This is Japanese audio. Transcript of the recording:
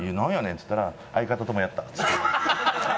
っつったら「相方ともやった」っつって。